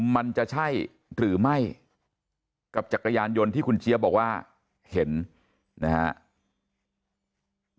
มันจะใช่หรือไม่กับจักรยานยนต์ที่คุณเจี๊ยบบอกว่าเห็นนะครับ